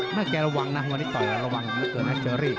เมื่อก่อนจะระวังตอนนี้แกะระวังประมาณเจออีก